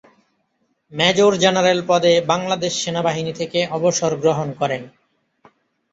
Major general পদে বাংলাদেশ সেনাবাহিনী থেকে অবসর গ্রহণ করেন।